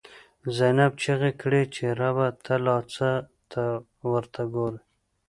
«زینب» چیغی کړی چه ربه، ته لا څه ته ورته گوری